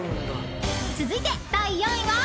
［続いて第４位は？］